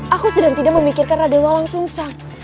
aku sedang tidak memikirkan raden walang sung sang